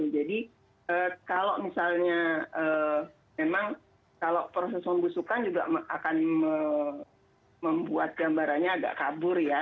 jadi kalau misalnya proses pembusukan juga akan membuat gambarannya agak kabur ya